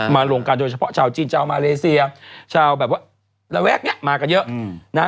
มาเรื่องการโดยเฉพาะชาวจีนชาวมาห์เลสเซียชาวแบบว่าระแว๊กมากันเยอะอืม